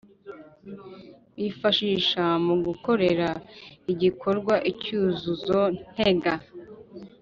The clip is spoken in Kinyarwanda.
bifashisha mu gukorera igikorwa icyuzuzo ntega,